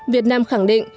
việt nam khẳng định